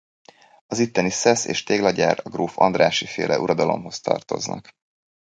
Az itteni szesz- és téglagyár a gróf Andárssy-féle uradalomhoz tartoznak.